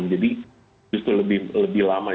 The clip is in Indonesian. jadi justru lebih lama